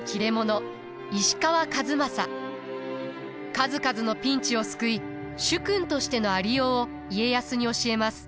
数々のピンチを救い主君としてのありようを家康に教えます。